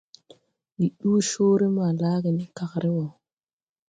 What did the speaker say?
Ndi ɗuu coore maa laage ne kagre woo.